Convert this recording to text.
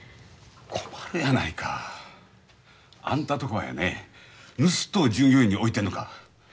困るやないか。あんたとこはやねぬすっとを従業員に置いてんのか。